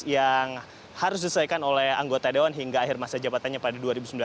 yang harus diselesaikan oleh anggota dewan hingga akhir masa jabatannya pada dua ribu sembilan belas